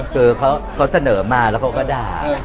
คือเขาเสนอมาแล้วเขาก็ด่า